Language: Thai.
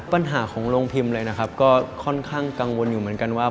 ปัญหาของโรงพิมพ์เลยนะครับก็ค่อนข้างกังวลอยู่เหมือนกันว่า